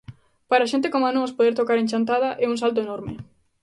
Para xente coma nós poder tocar en Chantada é un salto enorme.